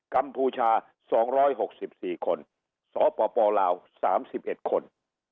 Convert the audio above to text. กัมพูชา๒๖๔คนสปลาว๓๑คน